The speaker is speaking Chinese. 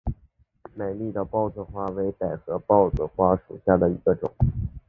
美丽豹子花为百合科豹子花属下的一个种。